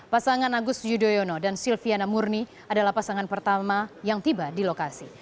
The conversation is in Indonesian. pasangan agus yudhoyono dan silviana murni adalah pasangan pertama yang tiba di lokasi